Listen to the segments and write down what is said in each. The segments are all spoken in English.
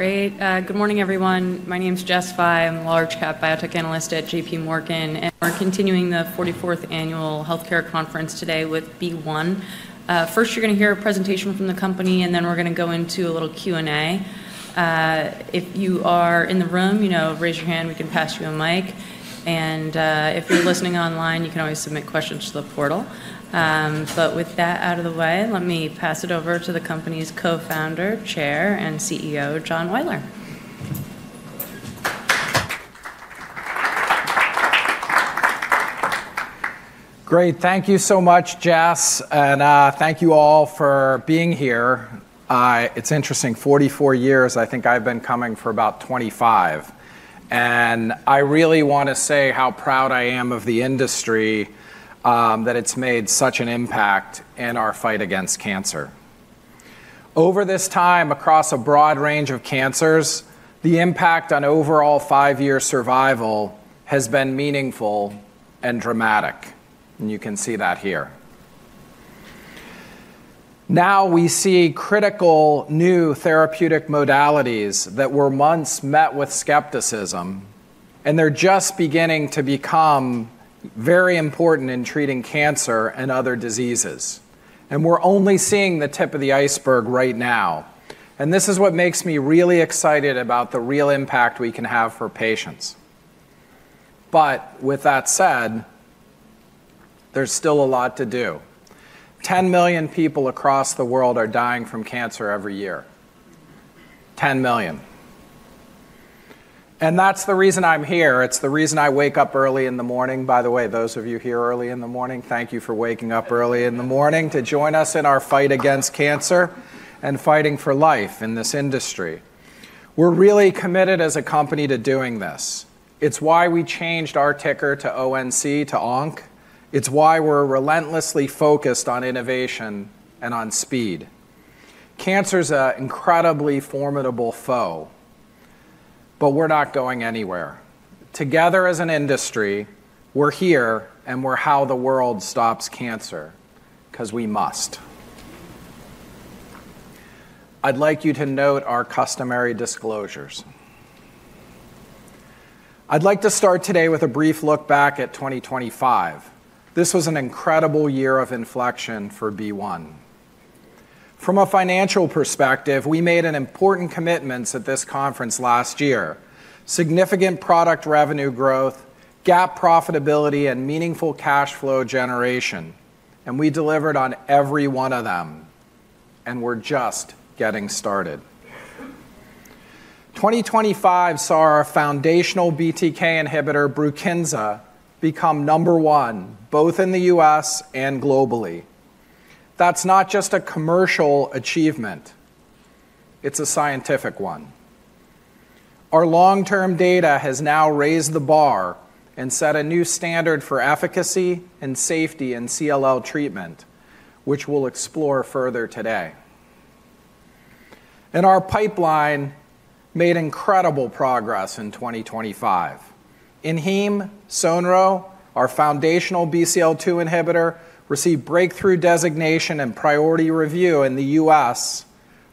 Great. Good morning, everyone. My name's Jess Fye. I'm a large-cap Biotech Analyst at JPMorgan. And we're continuing the 44th Annual Healthcare Conference today with BeOne. First, you're going to hear a presentation from the company, and then we're going to go into a little Q&A. If you are in the room, you know, raise your hand, we can pass you a mic. And if you're listening online, you can always submit questions to the portal. But with that out of the way, let me pass it over to the company's Co-founder, Chair, and CEO, John Oyler. Great. Thank you so much, Jess, and thank you all for being here. It's interesting, 44 years. I think I've been coming for about 25. I really want to say how proud I am of the industry that it's made such an impact in our fight against cancer. Over this time, across a broad range of cancers, the impact on overall five-year survival has been meaningful and dramatic. You can see that here. Now we see critical new therapeutic modalities that were once met with skepticism, and they're just beginning to become very important in treating cancer and other diseases. We're only seeing the tip of the iceberg right now. This is what makes me really excited about the real impact we can have for patients, but with that said, there's still a lot to do. 10 million people across the world are dying from cancer every year. 10 million, and that's the reason I'm here. It's the reason I wake up early in the morning. By the way, those of you here early in the morning, thank you for waking up early in the morning to join us in our fight against cancer and fighting for life in this industry. We're really committed as a company to doing this. It's why we changed our ticker to ONC, to ONC. It's why we're relentlessly focused on innovation and on speed. Cancer's an incredibly formidable foe, but we're not going anywhere. Together as an industry, we're here, and we're how the world stops cancer, because we must. I'd like you to note our customary disclosures. I'd like to start today with a brief look back at 2025. This was an incredible year of inflection for BeOne. From a financial perspective, we made important commitments at this conference last year: significant product revenue growth, GAAP profitability, and meaningful cash flow generation. And we delivered on every one of them. And we're just getting started. 2025 saw our foundational BTK inhibitor, BRUKINSA, become number one, both in the U.S. and globally. That's not just a commercial achievement. It's a scientific one. Our long-term data has now raised the bar and set a new standard for efficacy and safety in CLL treatment, which we'll explore further today. And our pipeline made incredible progress in 2025. In hem, Sonro, our foundational BCL-2 inhibitor, received breakthrough designation and priority review in the U.S.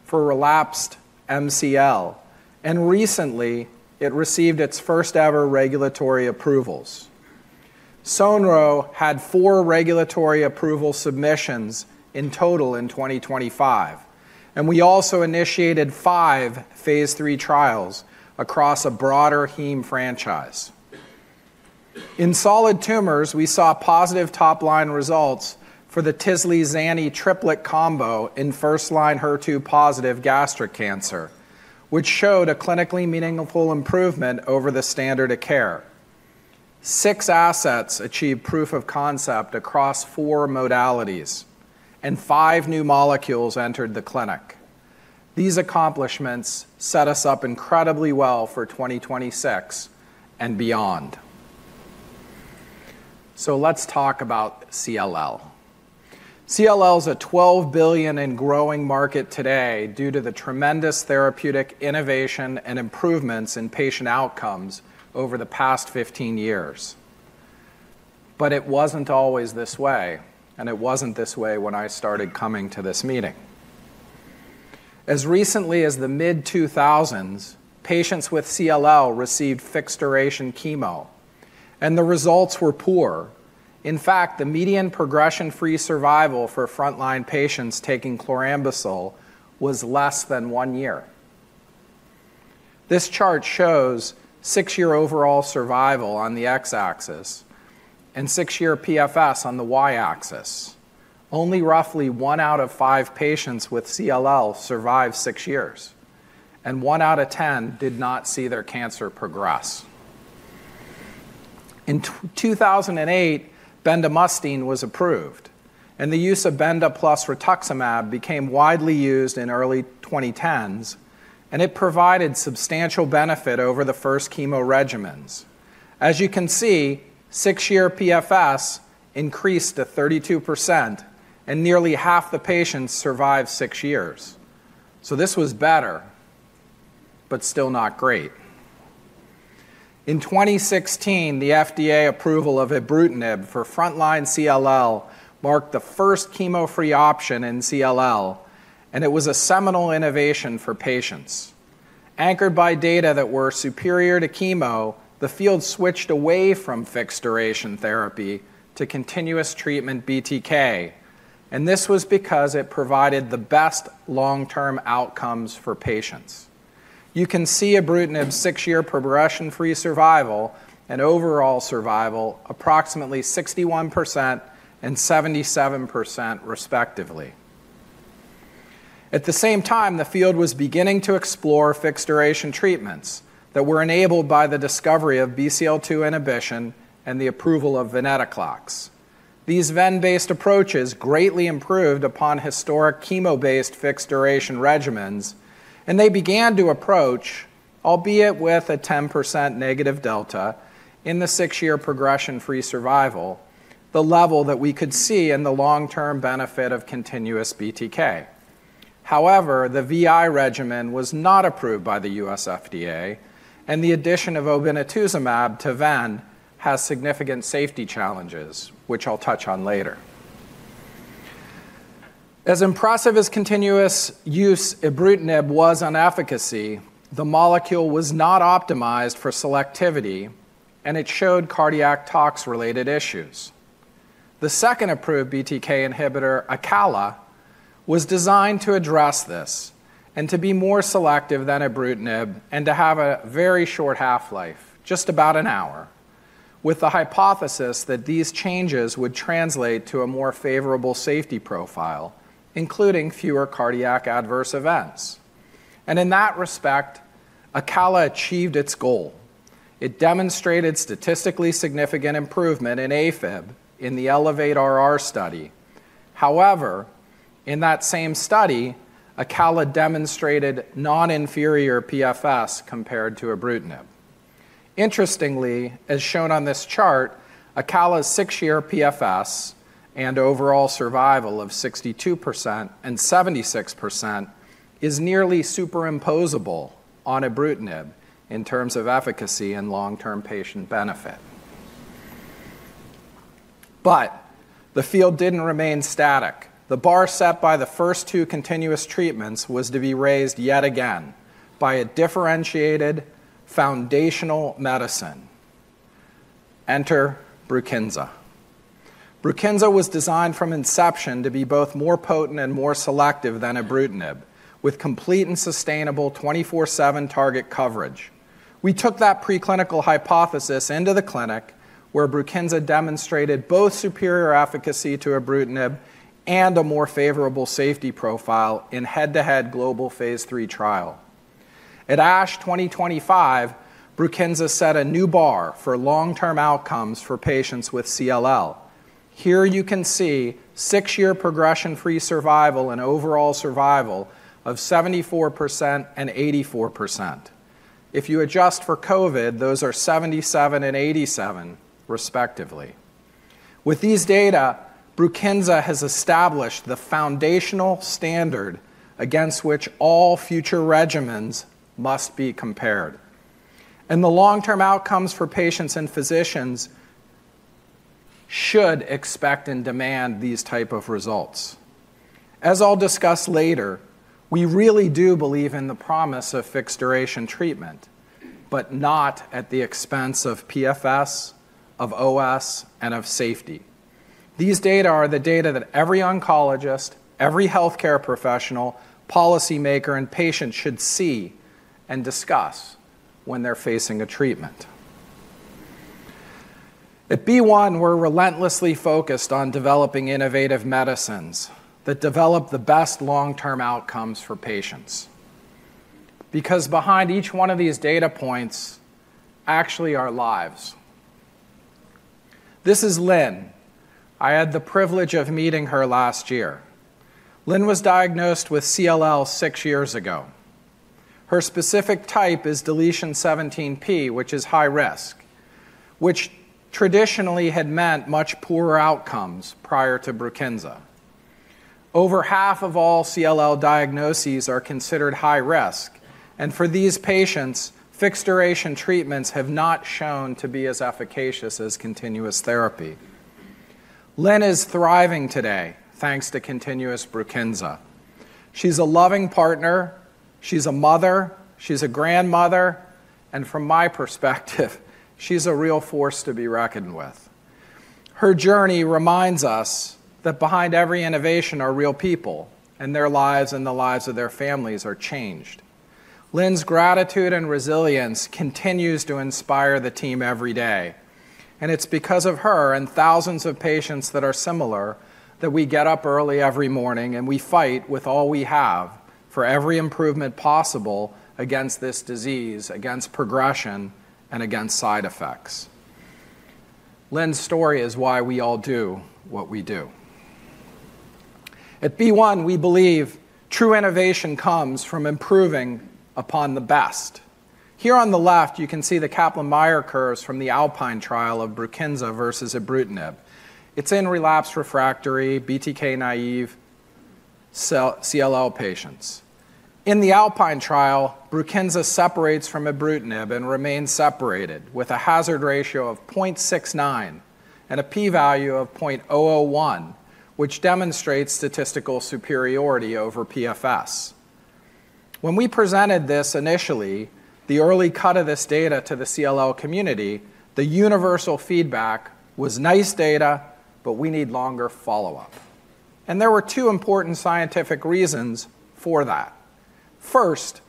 for relapsed MCL. And recently, it received its first-ever regulatory approvals. Sonro had four regulatory approval submissions in total in 2025. And we also initiated five phase three trials across a broader Heme franchise. In solid tumors, we saw positive top-line results for the Tisli-Zani triplet combo in first-line HER2-positive gastric cancer, which showed a clinically meaningful improvement over the standard of care. Six assets achieved proof of concept across four modalities, and five new molecules entered the clinic. These accomplishments set us up incredibly well for 2026 and beyond. So let's talk about CLL. CLL's a $12 billion and growing market today due to the tremendous therapeutic innovation and improvements in patient outcomes over the past 15 years. But it wasn't always this way. And it wasn't this way when I started coming to this meeting. As recently as the mid-2000s, patients with CLL received fixed-duration chemo. And the results were poor. In fact, the median progression-free survival for front-line patients taking chlorambucil was less than one year. This chart shows six-year overall survival on the x-axis and six-year PFS on the y-axis. Only roughly one out of five patients with CLL survived six years, and one out of ten did not see their cancer progress. In 2008, bendamustine was approved, and the use of bendamustine plus rituximab became widely used in early 2010s, and it provided substantial benefit over the first chemo regimens. As you can see, six-year PFS increased to 32%, and nearly half the patients survived six years, so this was better, but still not great. In 2016, the FDA approval of ibrutinib for front-line CLL marked the first chemo-free option in CLL, and it was a seminal innovation for patients. Anchored by data that were superior to chemo, the field switched away from fixed-duration therapy to continuous BTK treatment, and this was because it provided the best long-term outcomes for patients. You can see ibrutinib's six-year progression-free survival and overall survival, approximately 61% and 77%, respectively. At the same time, the field was beginning to explore fixed-duration treatments that were enabled by the discovery of BCL-2 inhibition and the approval of venetoclax. These ven-based approaches greatly improved upon historic chemo-based fixed-duration regimens, and they began to approach, albeit with a 10% negative delta, in the six-year progression-free survival, the level that we could see in the long-term benefit of continuous BTK. However, the VI regimen was not approved by the U.S. FDA, and the addition of obinutuzumab to ven has significant safety challenges, which I'll touch on later. As impressive as continuous use ibrutinib was on efficacy, the molecule was not optimized for selectivity, and it showed cardiac tox-related issues. The second approved BTK inhibitor, Acala, was designed to address this and to be more selective than Ibrutinib and to have a very short half-life, just about an hour, with the hypothesis that these changes would translate to a more favorable safety profile, including fewer cardiac adverse events. In that respect, Acala achieved its goal. It demonstrated statistically significant improvement in AFib in the ELEVATE-RR study. However, in that same study, Acala demonstrated non-inferior PFS compared to Ibrutinib. Interestingly, as shown on this chart, Acala's six-year PFS and overall survival of 62% and 76% is nearly superimposable on Ibrutinib in terms of efficacy and long-term patient benefit. The field didn't remain static. The bar set by the first two continuous treatments was to be raised yet again by a differentiated foundational medicine. Enter BRUKINSA. BURKINSA was designed from inception to be both more potent and more selective than ibrutinib, with complete and sustainable 24/7 target coverage. We took that preclinical hypothesis into the clinic, where BURKINSA demonstrated both superior efficacy to ibrutinib and a more favorable safety profile in head-to-head global phase 3 trial. At ASH 2025, BURKINSA set a new bar for long-term outcomes for patients with CLL. Here you can see six-year progression-free survival and overall survival of 74% and 84%. If you adjust for COVID, those are 77% and 87%, respectively. With these data, BURKINSA has established the foundational standard against which all future regimens must be compared, and the long-term outcomes for patients and physicians should expect and demand these types of results. As I'll discuss later, we really do believe in the promise of fixed-duration treatment, but not at the expense of PFS, of OS, and of safety. These data are the data that every oncologist, every healthcare professional, policymaker, and patient should see and discuss when they're facing a treatment. At BeOne, we're relentlessly focused on developing innovative medicines that develop the best long-term outcomes for patients. Because behind each one of these data points actually are lives. This is Lynn. I had the privilege of meeting her last year. Lynn was diagnosed with CLL six years ago. Her specific type is 17p deletion, which is high risk, which traditionally had meant much poorer outcomes prior to BRUKINSA. Over half of all CLL diagnoses are considered high risk. And for these patients, fixed-duration treatments have not shown to be as efficacious as continuous therapy. Lynn is thriving today, thanks to continuous BRUKINSA. She's a loving partner. She's a mother. She's a grandmother. And from my perspective, she's a real force to be reckoned with. Her journey reminds us that behind every innovation, our real people and their lives and the lives of their families are changed. Lynn's gratitude and resilience continues to inspire the team every day and it's because of her and thousands of patients that are similar that we get up early every morning and we fight with all we have for every improvement possible against this disease, against progression, and against side effects. Lynn's story is why we all do what we do. At BeOne, we believe true innovation comes from improving upon the best. Here on the left, you can see the Kaplan-Meier curves from the ALPINE trial of BRUKINSA versus ibrutinib. It's in relapsed-refractory, BTK-naive CLL patients. In the ALPINE trial, BRUKINSA separates from ibrutinib and remains separated with a hazard ratio of 0.69 and a p-value of 0.001, which demonstrates statistical superiority over PFS. When we presented this initially, the early cut of this data to the CLL community, the universal feedback was nice data, but we need longer follow-up. And there were two important scientific reasons for that. First,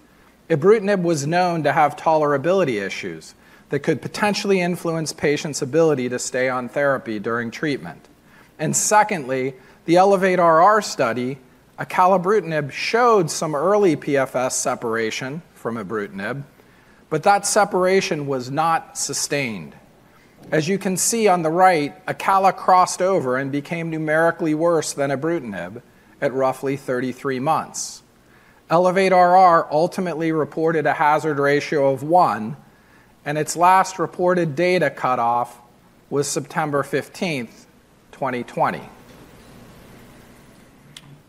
ibrutinib was known to have tolerability issues that could potentially influence patients' ability to stay on therapy during treatment. And secondly, the ELEVATE-RR study, acalabrutinib showed some early PFS separation from ibrutinib, but that separation was not sustained. As you can see on the right, Acala crossed over and became numerically worse than ibrutinib at roughly 33 months. ELEVATE-RR ultimately reported a hazard ratio of one. And its last reported data cutoff was September 15, 2020.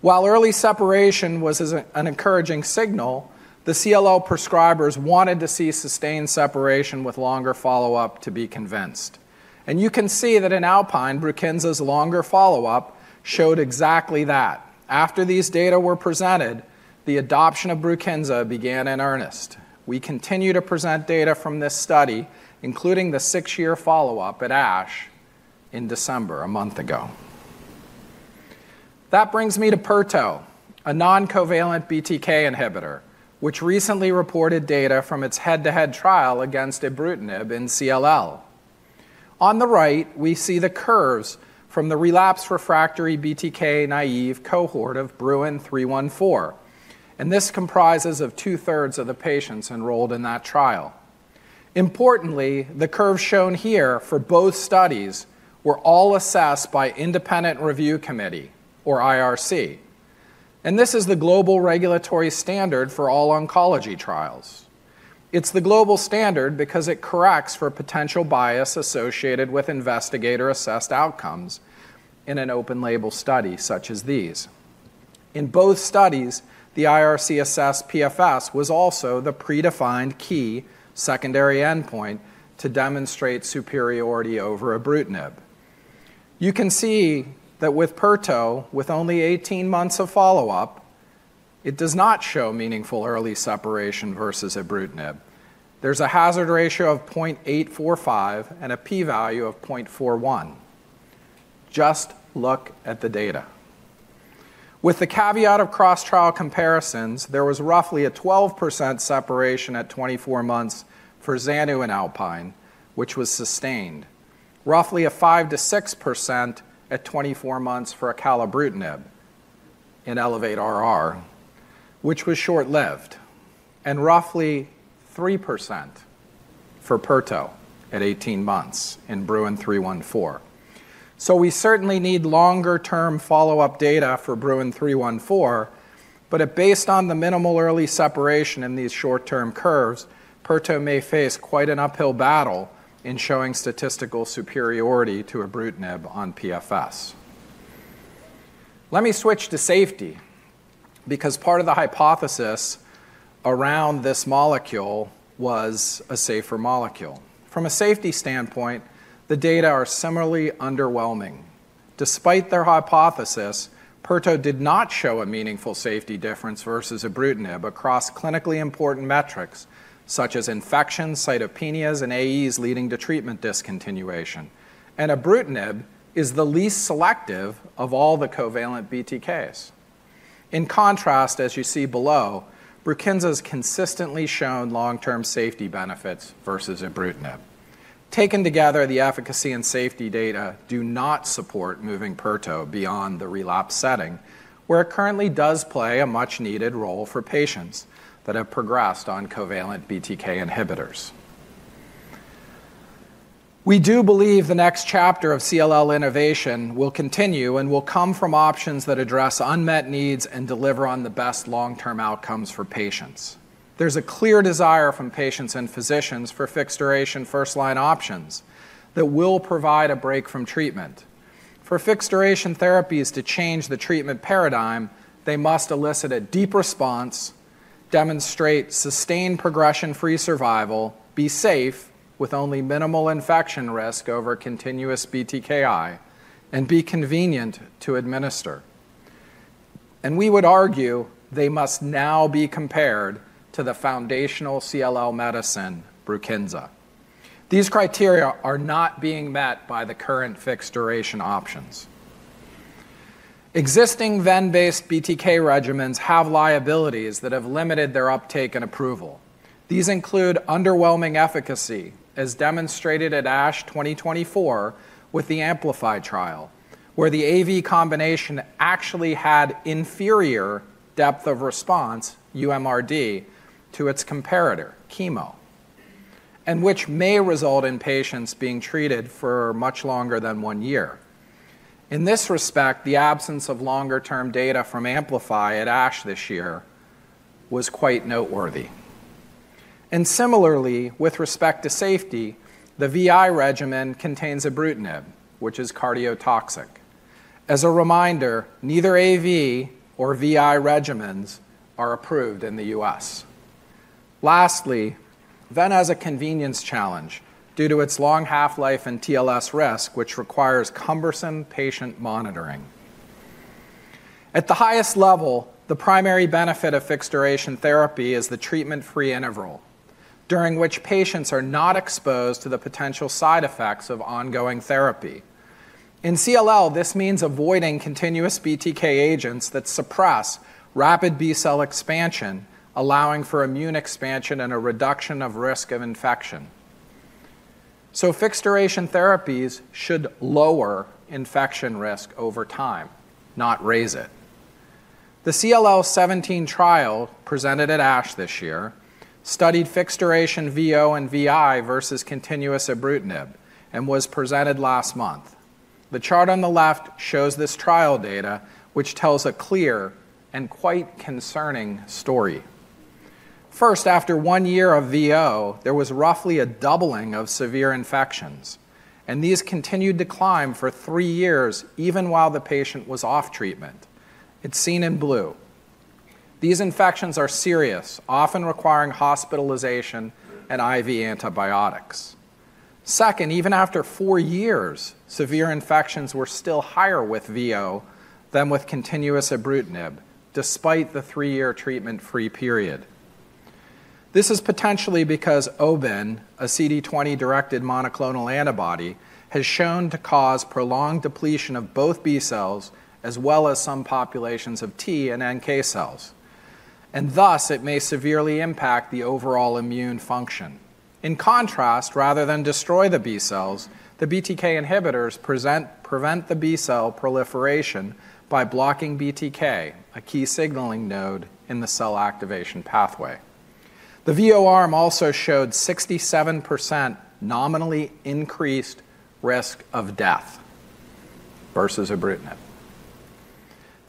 While early separation was an encouraging signal, the CLL prescribers wanted to see sustained separation with longer follow-up to be convinced. And you can see that in ALPINE, BURKINSA'S longer follow-up showed exactly that. After these data were presented, the adoption of BRUKINSA began in earnest. We continue to present data from this study, including the six-year follow-up at ASH in December, a month ago. That brings me to Pirto, a non-covalent BTK inhibitor, which recently reported data from its head-to-head trial against ibrutinib in CLL. On the right, we see the curves from the relapsed refractory BTK naive cohort of BRUIN 314, and this comprises two-thirds of the patients enrolled in that trial. Importantly, the curves shown here for both studies were all assessed by Independent Review Committee, or IRC, and this is the global regulatory standard for all oncology trials. It's the global standard because it corrects for potential bias associated with investigator-assessed outcomes in an open-label study such as these. In both studies, the IRC assessed PFS was also the predefined key secondary endpoint to demonstrate superiority over ibrutinib. You can see that with Pirto, with only 18 months of follow-up, it does not show meaningful early separation versus Ibrutinib. There's a hazard ratio of 0.845 and a p-value of 0.41. Just look at the data. With the caveat of cross-trial comparisons, there was roughly a 12% separation at 24 months for Zanu and ALPINE, which was sustained, roughly a 5%-6% at 24 months for acalabrutinib in ELEVATE-RR, which was short-lived, and roughly 3% for Pirto at 18 months in BRUIN 314, so we certainly need longer-term follow-up data for BRUIN 314, but based on the minimal early separation in these short-term curves, Pirto may face quite an uphill battle in showing statistical superiority to Ibrutinib on PFS. Let me switch to safety, because part of the hypothesis around this molecule was a safer molecule. From a safety standpoint, the data are similarly underwhelming. Despite their hypothesis, Pirto did not show a meaningful safety difference versus Ibrutinib across clinically important metrics, such as infections, cytopenias, and AEs leading to treatment discontinuation, and Ibrutinib is the least selective of all the covalent BTKs. In contrast, as you see below, BRUKINSA has consistently shown long-term safety benefits versus Ibrutinib. Taken together, the efficacy and safety data do not support moving Pirto beyond the relapse setting, where it currently does play a much-needed role for patients that have progressed on covalent BTK inhibitors. We do believe the next chapter of CLL innovation will continue and will come from options that address unmet needs and deliver on the best long-term outcomes for patients. There's a clear desire from patients and physicians for fixed-duration first-line options that will provide a break from treatment. For fixed-duration therapies to change the treatment paradigm, they must elicit a deep response, demonstrate sustained progression-free survival, be safe with only minimal infection risk over continuous BTKI, and be convenient to administer, and we would argue they must now be compared to the foundational CLL medicine, BRUKINSA. These criteria are not being met by the current fixed-duration options. Existing ven-based BTK regimens have liabilities that have limited their uptake and approval. These include underwhelming efficacy, as demonstrated at ASH 2024 with the AMPLIFY trial, where the AV combination actually had inferior depth of response, uMRD, to its comparator, chemo, and which may result in patients being treated for much longer than one year. In this respect, the absence of longer-term data from AMPLIFY at ASH this year was quite noteworthy, and similarly, with respect to safety, the VI regimen contains ibrutinib, which is cardiotoxic. As a reminder, neither AV nor VI regimens are approved in the U.S. Lastly, ven has a convenience challenge due to its long half-life and TLS risk, which requires cumbersome patient monitoring. At the highest level, the primary benefit of fixed-duration therapy is the treatment-free interval, during which patients are not exposed to the potential side effects of ongoing therapy. In CLL, this means avoiding continuous BTK agents that suppress rapid B-cell expansion, allowing for immune expansion and a reduction of risk of infection. So fixed-duration therapies should lower infection risk over time, not raise it. The CLL 17 trial presented at ASH this year studied fixed-duration VO and VI versus continuous Ibrutinib and was presented last month. The chart on the left shows this trial data, which tells a clear and quite concerning story. First, after one year of VO, there was roughly a doubling of severe infections. These continued to climb for three years, even while the patient was off treatment. It's seen in blue. These infections are serious, often requiring hospitalization and IV antibiotics. Second, even after four years, severe infections were still higher with VO than with continuous Ibrutinib, despite the three-year treatment-free period. This is potentially because obin, a CD20-directed monoclonal antibody, has shown to cause prolonged depletion of both B cells as well as some populations of T and NK cells. And thus, it may severely impact the overall immune function. In contrast, rather than destroy the B cells, the BTK inhibitors prevent the B cell proliferation by blocking BTK, a key signaling node in the cell activation pathway. The VO arm also showed 67% nominally increased risk of death versus Ibrutinib.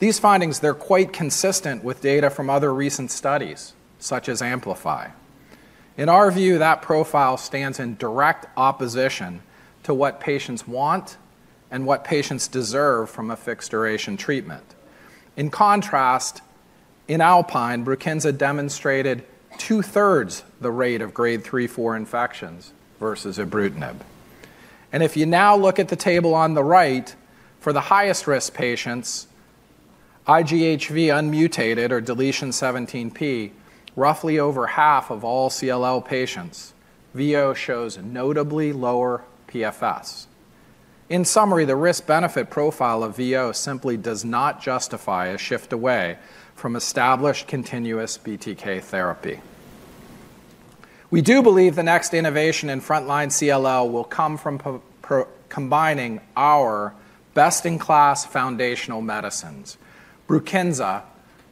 These findings, they're quite consistent with data from other recent studies, such as AMPLIFY. In our view, that profile stands in direct opposition to what patients want and what patients deserve from a fixed-duration treatment. In contrast, in ALPINE, BRUKINSA demonstrated two-thirds the rate of grade 3, 4 infections versus ibrutinib. If you now look at the table on the right, for the highest-risk patients, IGHV unmutated or 17p deletion, roughly over half of all CLL patients, VO shows notably lower PFS. In summary, the risk-benefit profile of VO simply does not justify a shift away from established continuous BTK therapy. We do believe the next innovation in frontline CLL will come from combining our best-in-class foundational medicines, BRUKINSA,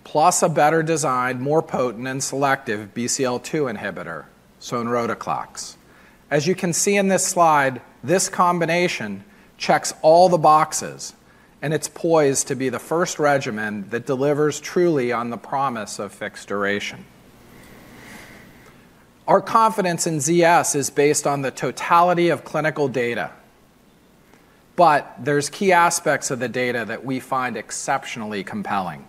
plus a better-designed, more potent, and selective BCL-2 inhibitor, sonrotoclax. As you can see in this slide, this combination checks all the boxes. It's poised to be the first regimen that delivers truly on the promise of fixed duration. Our confidence in ZS is based on the totality of clinical data. But there's key aspects of the data that we find exceptionally compelling.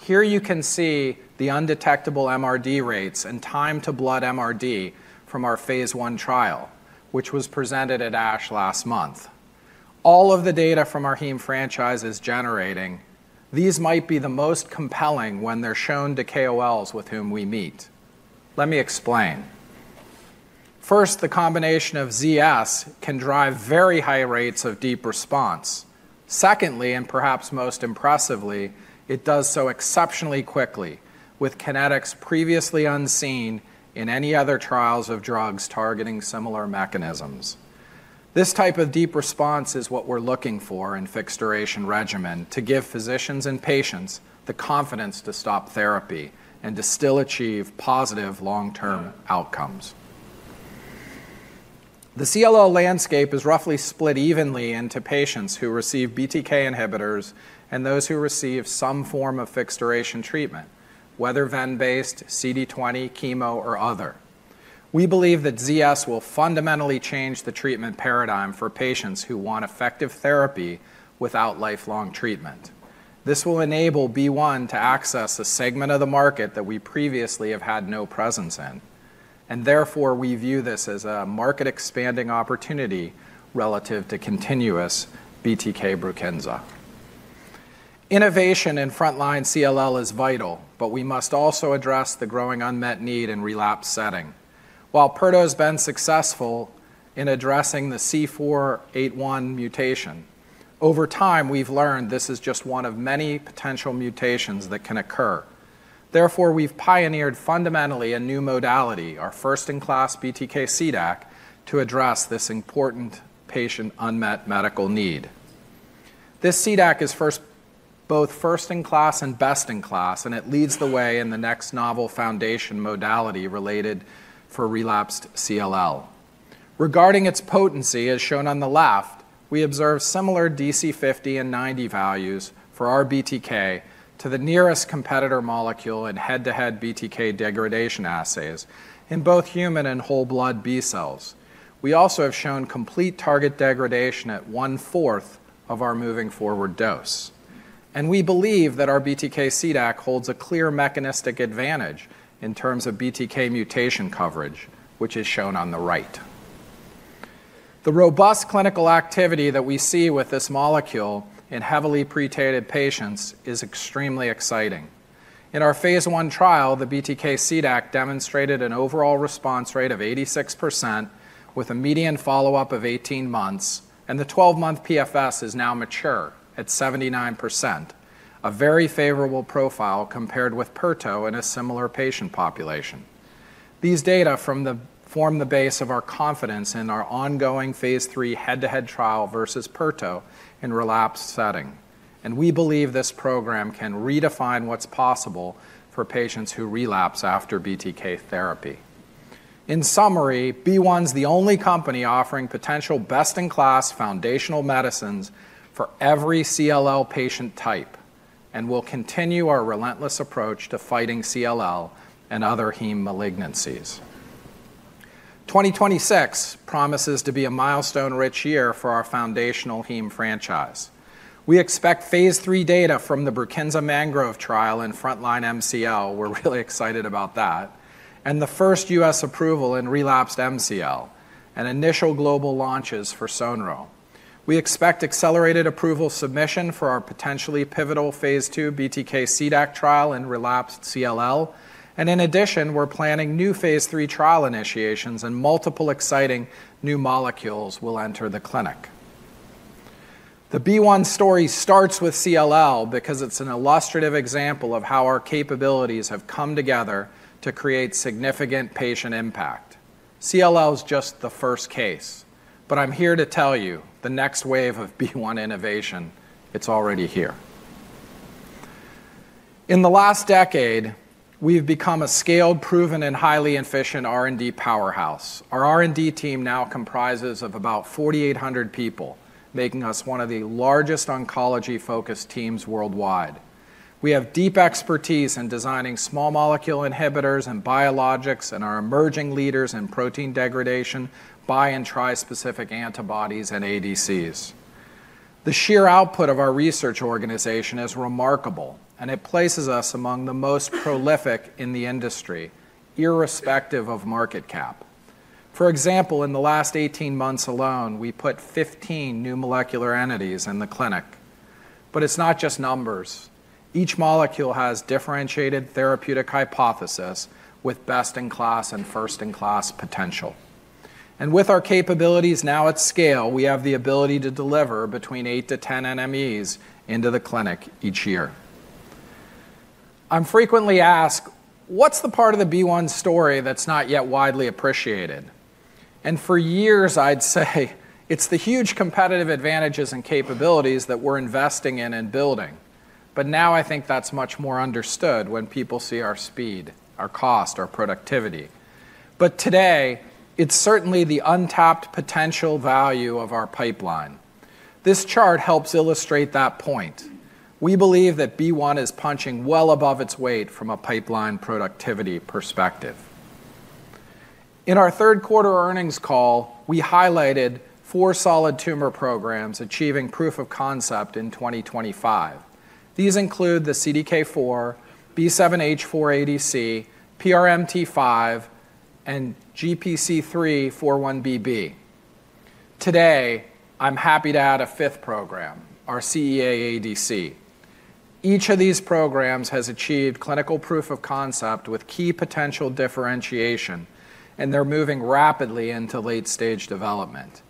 Here you can see the undetectable MRD rates and time-to-blood MRD from our phase one trial, which was presented at ASH last month. All of the data from our Heme franchise is generating. These might be the most compelling when they're shown to KOLs with whom we meet. Let me explain. First, the combination of ZS can drive very high rates of deep response. Secondly, and perhaps most impressively, it does so exceptionally quickly, with kinetics previously unseen in any other trials of drugs targeting similar mechanisms. This type of deep response is what we're looking for in fixed-duration regimen to give physicians and patients the confidence to stop therapy and to still achieve positive long-term outcomes. The CLL landscape is roughly split evenly into patients who receive BTK inhibitors and those who receive some form of fixed-duration treatment, whether ven-based, CD20, chemo, or other. We believe that ZS will fundamentally change the treatment paradigm for patients who want effective therapy without lifelong treatment. This will enable BeOne to access a segment of the market that we previously have had no presence in. Therefore, we view this as a market-expanding opportunity relative to continuous BTK BURKINSA. Innovation in frontline CLL is vital, but we must also address the growing unmet need in relapse setting. While Pirto has been successful in addressing the C481 mutation, over time, we've learned this is just one of many potential mutations that can occur. Therefore, we've pioneered fundamentally a new modality, our first-in-class BTK CDAC, to address this important patient unmet medical need. This CDAC is both first-in-class and best-in-class, and it leads the way in the next novel foundation modality related for relapsed CLL. Regarding its potency, as shown on the left, we observe similar DC50 and 90 values for our BTK to the nearest competitor molecule in head-to-head BTK degradation assays in both human and whole blood B cells. We also have shown complete target degradation at one-fourth of our moving-forward dose, and we believe that our BTK CDAC holds a clear mechanistic advantage in terms of BTK mutation coverage, which is shown on the right. The robust clinical activity that we see with this molecule in heavily pretreated patients is extremely exciting. In our phase one trial, the BTK CDAC demonstrated an overall response rate of 86% with a median follow-up of 18 months, and the 12-month PFS is now mature at 79%, a very favorable profile compared with Pirto in a similar patient population. These data form the base of our confidence in our ongoing phase three head-to-head trial versus Pirto in relapse setting, and we believe this program can redefine what's possible for patients who relapse after BTK therapy. In summary, BeOne is the only company offering potential best-in-class foundational medicines for every CLL patient type and will continue our relentless approach to fighting CLL and other heme malignancies. 2026 promises to be a milestone-rich year for our foundational Heme franchise. We expect phase three data from the BURKINSA-MANGROVE trial in frontline MCL. We're really excited about that. And the first U.S. approval in relapsed MCL and initial global launches for Sonro. We expect accelerated approval submission for our potentially pivotal phase 2 BTK CDAC trial in relapsed CLL. And in addition, we're planning new phase 3 trial initiations and multiple exciting new molecules will enter the clinic. The BeOne story starts with CLL because it's an illustrative example of how our capabilities have come together to create significant patient impact. CLL is just the first case. But I'm here to tell you the next wave of BeOne innovation, it's already here. In the last decade, we've become a scaled, proven, and highly efficient R&D powerhouse. Our R&D team now comprises of about 4,800 people, making us one of the largest oncology-focused teams worldwide. We have deep expertise in designing small molecule inhibitors and biologics and are emerging leaders in protein degradation, bi and tri-specific antibodies, and ADCs. The sheer output of our research organization is remarkable, and it places us among the most prolific in the industry, irrespective of market cap. For example, in the last 18 months alone, we put 15 new molecular entities in the clinic. But it's not just numbers. Each molecule has differentiated therapeutic hypothesis with best-in-class and first-in-class potential. And with our capabilities now at scale, we have the ability to deliver between 8 to 10 NMEs into the clinic each year. I'm frequently asked, what's the part of the BeOne story that's not yet widely appreciated? And for years, I'd say it's the huge competitive advantages and capabilities that we're investing in and building. But now I think that's much more understood when people see our speed, our cost, our productivity. But today, it's certainly the untapped potential value of our pipeline. This chart helps illustrate that point. We believe that BeOne is punching well above its weight from a pipeline productivity perspective. In our Q3 earnings call, we highlighted four solid tumor programs achieving proof of concept in 2025. These include the CDK4, B7-H4 ADC, PRMT5, and GPC3 4-1BB. Today, I'm happy to add a fifth program, our CEA ADC. Each of these programs has achieved clinical proof of concept with key potential differentiation, and they're moving rapidly into late-stage development.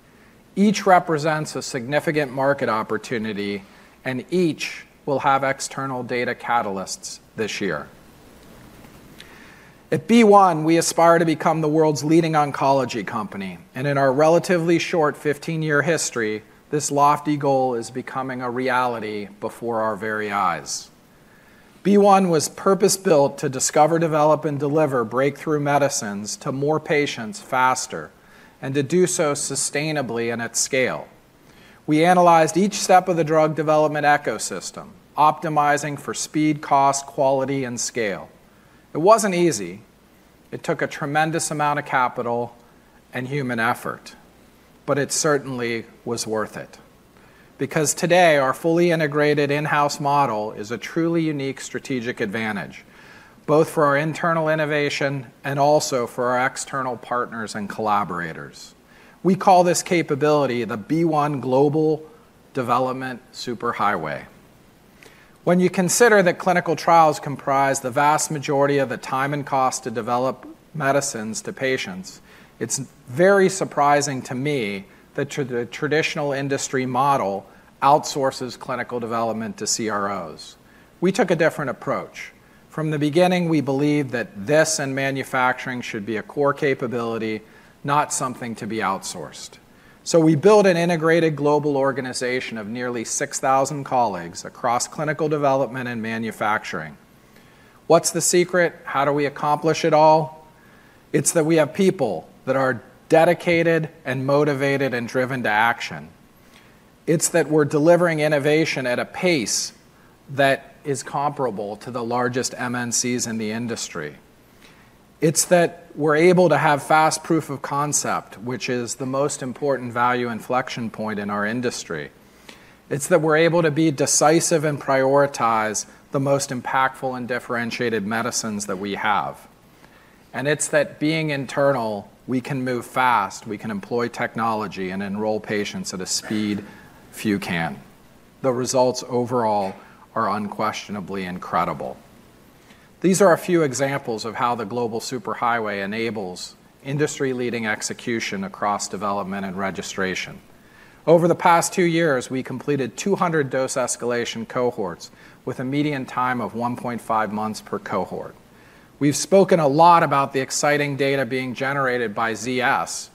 Each represents a significant market opportunity, and each will have external data catalysts this year. At BeOne, we aspire to become the world's leading oncology company, and in our relatively short 15-year history, this lofty goal is becoming a reality before our very eyes. BeOne was purpose-built to discover, develop, and deliver breakthrough medicines to more patients faster and to do so sustainably and at scale. We analyzed each step of the drug development ecosystem, optimizing for speed, cost, quality, and scale. It wasn't easy. It took a tremendous amount of capital and human effort. But it certainly was worth it. Because today, our fully integrated in-house model is a truly unique strategic advantage, both for our internal innovation and also for our external partners and collaborators. We call this capability the BeOne Global Development Superhighway. When you consider that clinical trials comprise the vast majority of the time and cost to develop medicines to patients, it's very surprising to me that the traditional industry model outsources clinical development to CROs. We took a different approach. From the beginning, we believed that this and manufacturing should be a core capability, not something to be outsourced. So we built an integrated global organization of nearly 6,000 colleagues across clinical development and manufacturing. What's the secret? How do we accomplish it all? It's that we have people that are dedicated and motivated and driven to action. It's that we're delivering innovation at a pace that is comparable to the largest MNCs in the industry. It's that we're able to have fast proof of concept, which is the most important value inflection point in our industry. It's that we're able to be decisive and prioritize the most impactful and differentiated medicines that we have. And it's that being internal, we can move fast, we can employ technology, and enroll patients at a speed few can. The results overall are unquestionably incredible. These are a few examples of how the Global Superhighway enables industry-leading execution across development and registration. Over the past two years, we completed 200 dose escalation cohorts with a median time of 1.5 months per cohort. We've spoken a lot about the exciting data being generated by Sonro.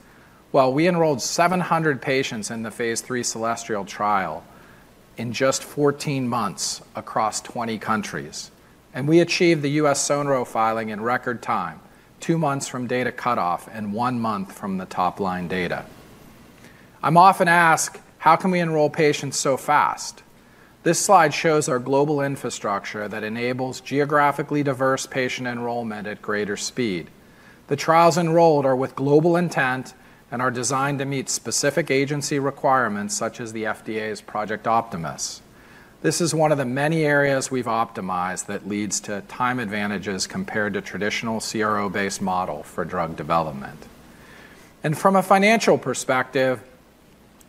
Well, we enrolled 700 patients in the phase three CELESTIAL trial in just 14 months across 20 countries. And we achieved the U.S. Sonro filing in record time, two months from data cutoff and one month from the top-line data. I'm often asked, how can we enroll patients so fast? This slide shows our global infrastructure that enables geographically diverse patient enrollment at greater speed. The trials enrolled are with global intent and are designed to meet specific agency requirements such as the FDA's Project Optimus. This is one of the many areas we've optimized that leads to time advantages compared to traditional CRO-based model for drug development. And from a financial perspective,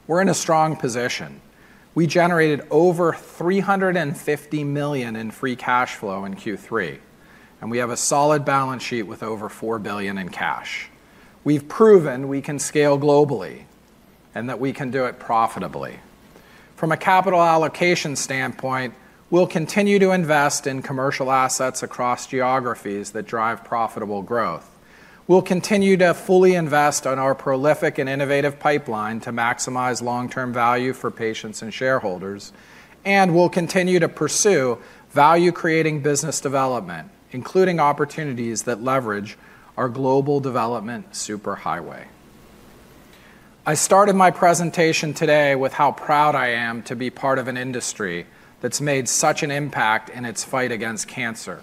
we're in a strong position. We generated over $350 million in free cash flow in Q3. We have a solid balance sheet with over $4 billion in cash. We've proven we can scale globally and that we can do it profitably. From a capital allocation standpoint, we'll continue to invest in commercial assets across geographies that drive profitable growth. We'll continue to fully invest on our prolific and innovative pipeline to maximize long-term value for patients and shareholders. We'll continue to pursue value-creating business development, including opportunities that leverage our global development superhighway. I started my presentation today with how proud I am to be part of an industry that's made such an impact in its fight against cancer.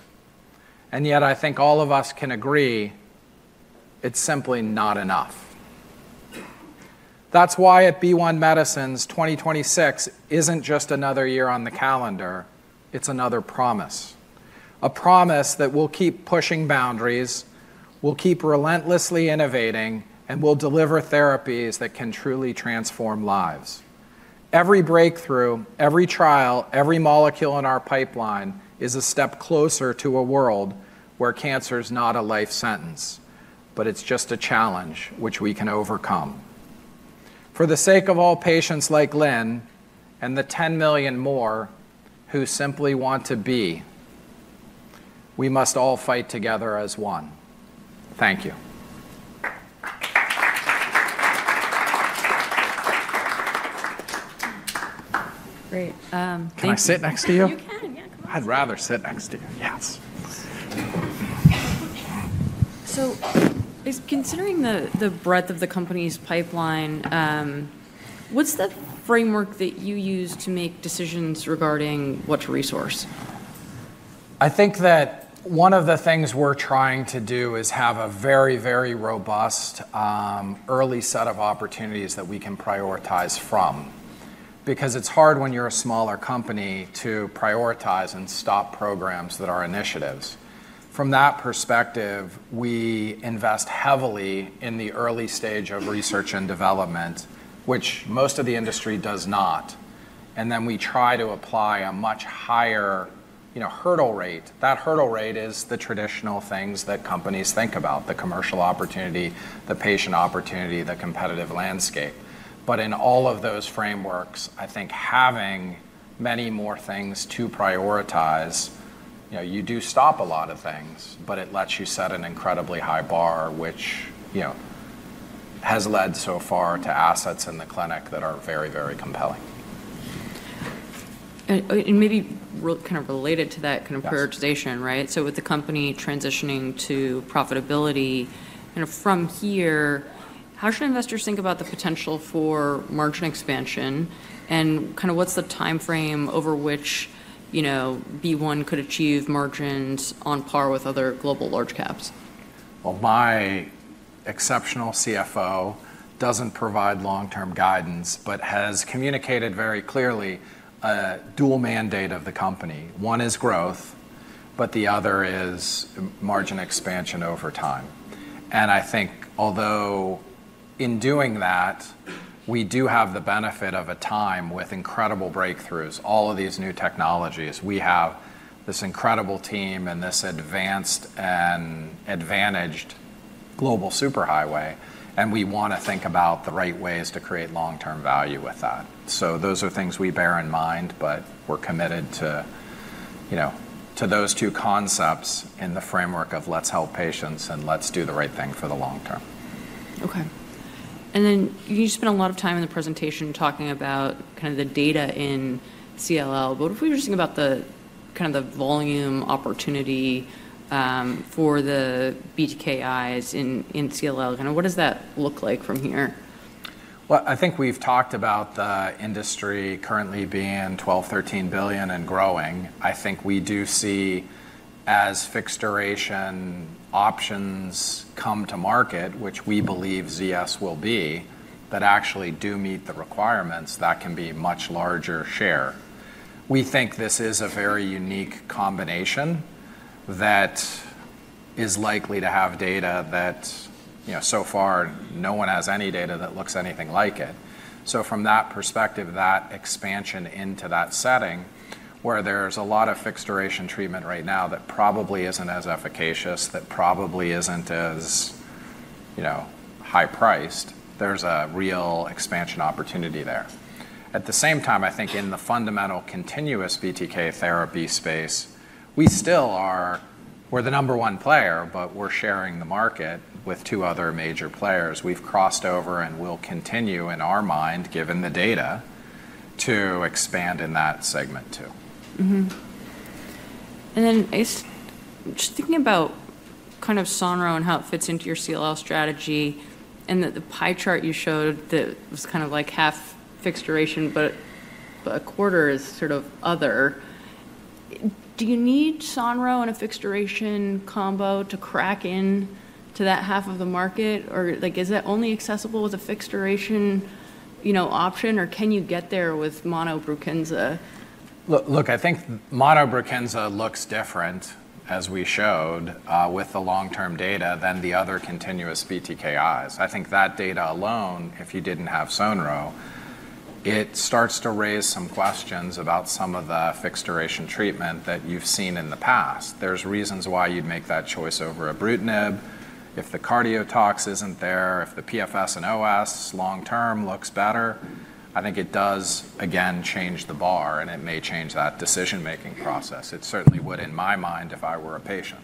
Yet, I think all of us can agree it's simply not enough. That's why at BeOne Medicines, 2026 isn't just another year on the calendar. It's another promise. A promise that we'll keep pushing boundaries, we'll keep relentlessly innovating, and we'll deliver therapies that can truly transform lives. Every breakthrough, every trial, every molecule in our pipeline is a step closer to a world where cancer is not a life sentence, but it's just a challenge which we can overcome. For the sake of all patients like Lynn and the 10 million more who simply want to be, we must all fight together as one. Thank you. Great. Can I sit next to you? You can. Yeah, go ahead. I'd rather sit next to you. Yes. So considering the breadth of the company's pipeline, what's the framework that you use to make decisions regarding what to resource? I think that one of the things we're trying to do is have a very, very robust early set of opportunities that we can prioritize from. Because it's hard when you're a smaller company to prioritize and stop programs that are initiatives. From that perspective, we invest heavily in the early stage of research and development, which most of the industry does not. And then we try to apply a much higher hurdle rate. That hurdle rate is the traditional things that companies think about: the commercial opportunity, the patient opportunity, the competitive landscape. But in all of those frameworks, I think having many more things to prioritize, you do stop a lot of things, but it lets you set an incredibly high bar, which has led so far to assets in the clinic that are very, very compelling. And maybe kind of related to that kind of prioritization, right? With the company transitioning to profitability, from here, how should investors think about the potential for margin expansion and kind of what's the time frame over which BeOne could achieve margins on par with other global large caps? My exceptional CFO doesn't provide long-term guidance, but has communicated very clearly a dual mandate of the company. One is growth, but the other is margin expansion over time. I think although in doing that, we do have the benefit of a time with incredible breakthroughs, all of these new technologies. We have this incredible team and this advanced and advantaged global superhighway. We want to think about the right ways to create long-term value with that. Those are things we bear in mind, but we're committed to those two concepts in the framework of let's help patients and let's do the right thing for the long term. And then you spent a lot of time in the presentation talking about kind of the data in CLL. But what if we were just thinking about the kind of the volume opportunity for the BTKIs in CLL? Kind of what does that look like from here? Well, I think we've talked about the industry currently being $12-$13 billion and growing. I think we do see as fixed duration options come to market, which we believe ZS will be, that actually do meet the requirements, that can be a much larger share. We think this is a very unique combination that is likely to have data that so far no one has any data that looks anything like it. So from that perspective, that expansion into that setting where there's a lot of fixed duration treatment right now that probably isn't as efficacious, that probably isn't as high-priced, there's a real expansion opportunity there. At the same time, I think in the fundamental continuous BTK therapy space, we still are the number one player, but we're sharing the market with two other major players. We've crossed over and will continue in our mind, given the data, to expand in that segment too. And then just thinking about kind of Sonro and how it fits into your CLL strategy and the pie chart you showed that was kind of like half fixed duration, but a quarter is sort of other. Do you need Sonro and a fixed duration combo to crack into that half of the market? Or is that only accessible with a fixed duration option, or can you get there with mono BRUKINSA? Look, I think mono BRUKINSA looks different as we showed with the long-term data than the other continuous BTKIs. I think that data alone, if you didn't have Sonro, it starts to raise some questions about some of the fixed duration treatment that you've seen in the past. There's reasons why you'd make that choice over an Ibrutinib. If the cardiotox isn't there, if the PFS and OS long-term looks better, I think it does, again, change the bar, and it may change that decision-making process. It certainly would in my mind if I were a patient.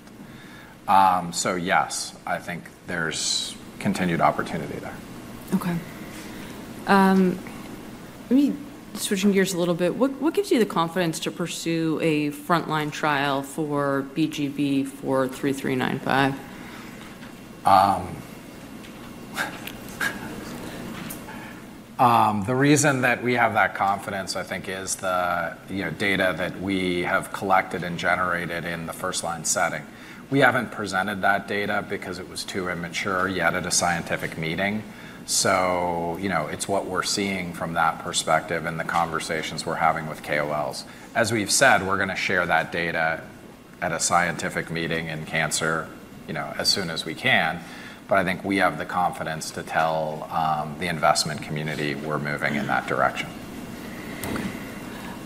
So yes, I think there's continued opportunity there. Okay. Let me switch gears a little bit. What gives you the confidence to pursue a frontline trial for BGB-43395? The reason that we have that confidence, I think, is the data that we have collected and generated in the first-line setting. We haven't presented that data because it was too immature yet at a scientific meeting, so it's what we're seeing from that perspective and the conversations we're having with KOLs. As we've said, we're going to share that data at a scientific meeting in cancer as soon as we can, but I think we have the confidence to tell the investment community we're moving in that direction.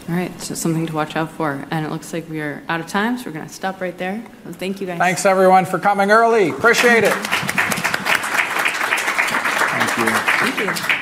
All right, so something to watch out for, and it looks like we are out of time, so we're going to stop right there. Thank you, guys. Thanks, everyone, for coming early. Appreciate it. Thank you. Thank you.